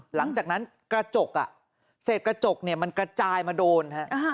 หลังจากนั้นกระจกเศษกระจกเนี่ยมันกระจายมาโดนฮะ